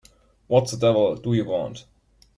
What the devil do you want?